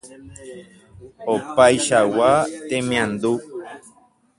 opáichagua temiandu